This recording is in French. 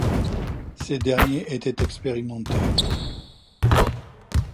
Ces derniers étaient expérimentés.